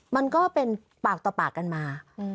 มันก็เป็นปากต่อปากกันมา